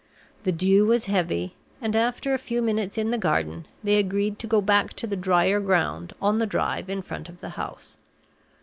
The dew was heavy, and, after a few minutes in the garden, they agreed to go back to the drier ground on the drive in front of the house.